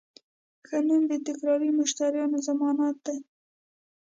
ښه نوم د تکراري مشتریانو ضمانت دی.